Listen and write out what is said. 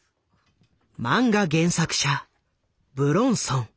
漫画原作者武論尊。